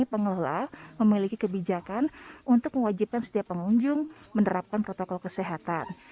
pengelola memiliki kebijakan untuk mewajibkan setiap pengunjung menerapkan protokol kesehatan